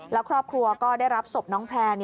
แล้วครอบครัวก็ได้รับศพน้องแพลน